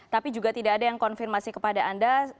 tapi juga tidak ada yang konfirmasi kepada anda